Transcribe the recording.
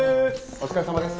お疲れさまです。